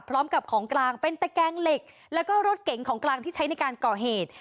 พร้อมกับของกลางเป็นตะแกงเหล็กแล้วก็รถเก๋งของกลางที่ใช้ในการก่อเหตุ